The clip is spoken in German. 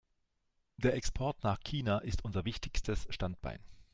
Der Export nach China ist unser wichtigstes Standbein.